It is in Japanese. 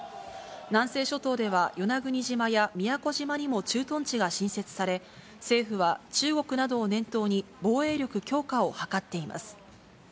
南西諸島では与那国島や宮古島にも駐屯地が新設され、政府は中国などを念頭に、防衛力強化を図っています。